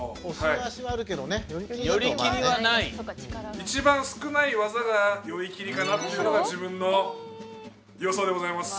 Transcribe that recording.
一番少ない技が寄り切りかなっていうのが自分の予想でございます。